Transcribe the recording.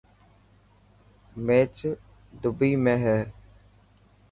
ميچ دبي ۾ هي.